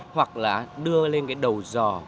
hoặc là đưa lên cái đầu giò